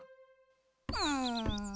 うん。